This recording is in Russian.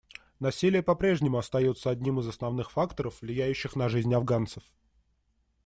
Насилие по-прежнему остается одним из основных факторов, влияющих на жизнь афганцев.